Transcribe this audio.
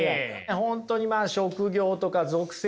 本当にまあ職業とか属性をね